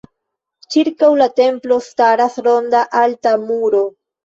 Ĉirkaŭ la templo staras ronda alta muro.